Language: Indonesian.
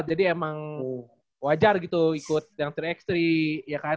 jadi emang wajar gitu ikut yang tiga x tiga ya kan